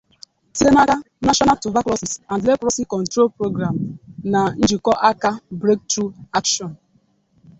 site n'aka 'National Tuberculosis and Leprosy Control Program' na njikọaka 'Breakthrough Action'.